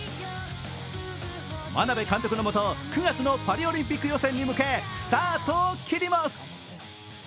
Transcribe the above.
真鍋監督の下、９月のパリオリンピック予選に向け、スタートを切ります。